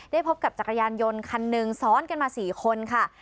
พบกับจักรยานยนต์คันหนึ่งซ้อนกันมา๔คนค่ะ